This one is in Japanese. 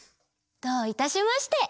どういたしまして！